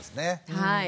はい。